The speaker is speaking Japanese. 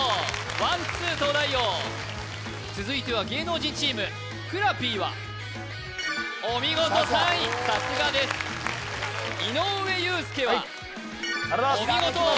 ワンツー東大王続いては芸能人チームふくらＰはお見事３位さすがです井上裕介はお見事！